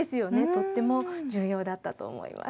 とっても重要だったと思います。